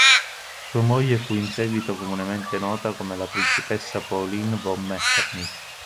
Sua moglie fu in seguito comunemente nota come la principessa Pauline von Metternich.